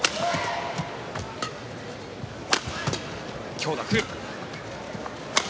強打、来る。